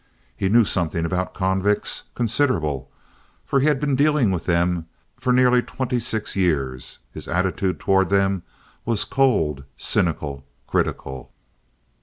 He knew something about convicts—considerable—for he had been dealing with them for nearly twenty six years. His attitude toward them was cold, cynical, critical.